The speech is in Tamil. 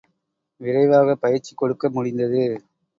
விரைவாகப் பயிற்சி கொடுக்க முடிந்தது.